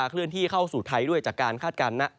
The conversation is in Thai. เคลื่อนที่เข้าสู่ไทยด้วยจากการคาดการณ์